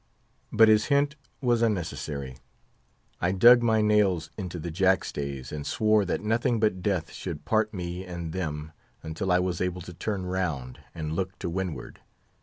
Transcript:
But his hint was unnecessary; I dug my nails into the jack stays, and swore that nothing but death should part me and them until I was able to turn round and look to windward.